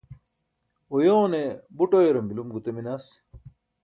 uyoone buṭ uyarum bilum gute minas